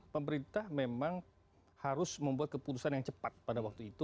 pemerintah memang harus membuat keputusan yang cepat pada waktu itu